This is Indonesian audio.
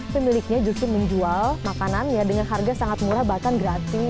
pemiliknya justru menjual makanannya dengan harga sangat murah bahkan gratis